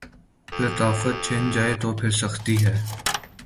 لطافت چھن جائے تو پھر سختی ہے۔